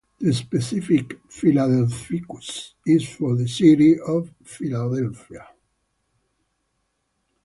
The specific "philadelphicus" is for the city of Philadelphia.